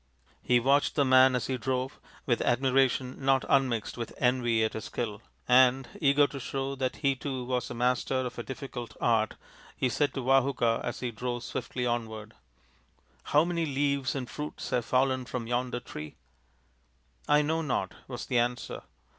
He watched the man as he drove with admiration not unmixed with envy at his skill ; and, eager to show that he too was a master of a difficult art, he said to Vahuka as he drove swiftly onward :" How many leaves and fruits have fallen from yonder tree ?"" I know not," was the answer.